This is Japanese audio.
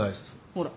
ほら。